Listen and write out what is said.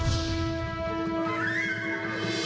ชูเว็ดตีแสดหน้า